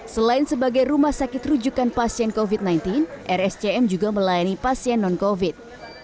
selain sebagai rumah sakit rujukan pasien covid sembilan belas rscm juga melayani pasien non covid